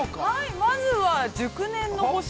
◆まずは熟年の星？